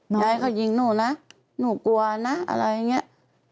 ยายเขายิงหนูนะหนูกลัวนะอะไรอย่างนี้